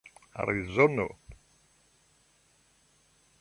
arizono